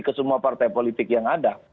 ke semua partai politik yang ada